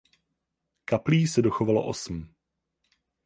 Kaplí se dochovalo osm.